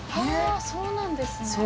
そうなんですね。